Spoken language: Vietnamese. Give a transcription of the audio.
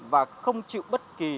và không chịu bất kỳ